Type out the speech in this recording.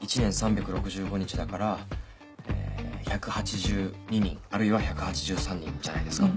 １年３６５日だから１８２人あるいは１８３人じゃないですか？